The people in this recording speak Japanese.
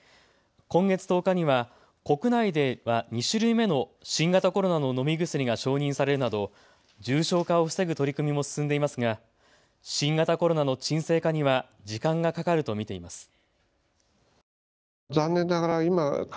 今月１０日には国内では２種類目の新型コロナの飲み薬が承認されるなど重症化を防ぐ取り組みも進んでいますが新型コロナの沈静化には時間がかかると見ています。